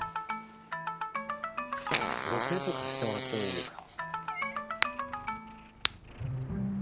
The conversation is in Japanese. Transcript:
セロテープ貸してもらってもいいですか？